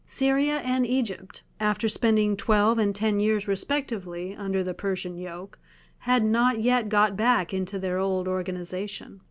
Syria and Egypt, after spending twelve and ten years respectively under the Persian yoke, had not yet got back into their old organization.